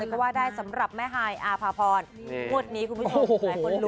ก็ว่าได้สำหรับแม่ฮายอาภาพรงวดนี้คุณผู้ชมหลายคนดู